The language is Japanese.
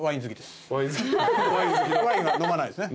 ワインは飲まないですね。